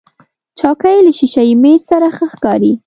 چوکۍ له شیشهيي میز سره ښه ښکاري.